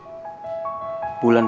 pertama kali aku melihatnya